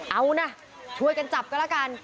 เอานะช่วยกันจับก็แล้วกัน